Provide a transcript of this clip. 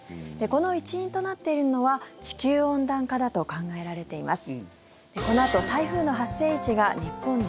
この一因となっているのは地球温暖化だと考えられています。